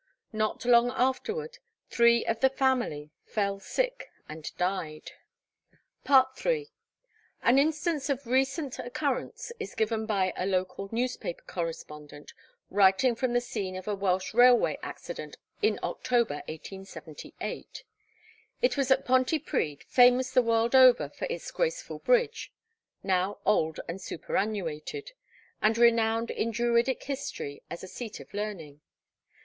Not long afterward three of the family fell sick and died. III. An instance of recent occurrence is given by a local newspaper correspondent writing from the scene of a Welsh railway accident in October, 1878. It was at Pontypridd, famous the world over for its graceful bridge, (now old and superannuated,) and renowned in Druidic story as a seat of learning.